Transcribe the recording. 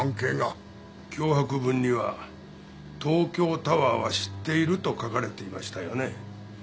脅迫文には「東京タワーは知っている」と書かれていましたよね。